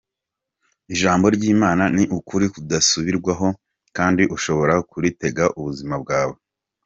Ijambo ry’Imana ni ukuri kudasubirwaho, kandi ushobora kuritega ubuzima bwawe.